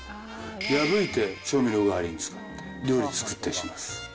破いて調味料代わりに使う、料理作ったりします。